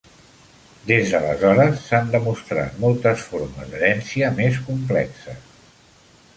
Des d'aleshores s'han demostrat moltes formes d'herència més complexes.